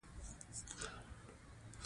اوسني انسانانو تر پخوانیو زیات پرمختک کړی دئ.